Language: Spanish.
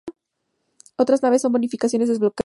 Otras naves son bonificaciones desbloqueables.